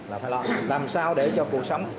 là phải lo làm sao để cho cuộc sống